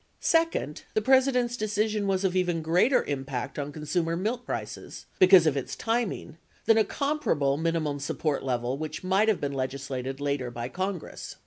Second, the President's decision was of even greater impact on con sumer milk prices — because of its timing — than a comparable minimum support level which might have been legislated later by Congress.